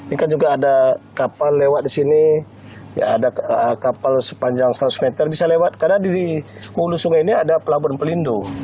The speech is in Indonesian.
ini kan juga ada kapal lewat di sini ada kapal sepanjang seratus meter bisa lewat karena di hulu sungai ini ada pelabuhan pelindung